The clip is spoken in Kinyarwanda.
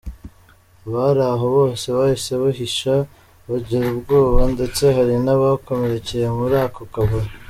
Abari aho bose bahise bihisha kubera ubwoba ndetse hari n'abakomerekeye muri ako kavuyo.